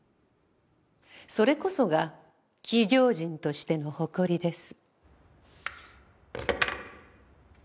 それこそが企業人としての誇りです。